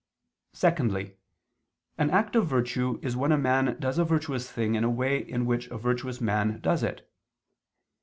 Secondly an act of virtue is when a man does a virtuous thing in a way in which a virtuous man does it.